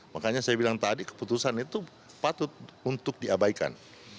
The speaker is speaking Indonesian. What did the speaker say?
makanya saya bilang tadi keputusan itu patut untuk diabaikan